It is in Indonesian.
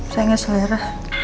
saya gak selera